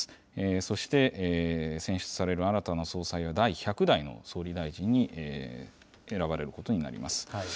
そして選出される新たな総裁は、第１００代の総理大臣に選ばれることになります。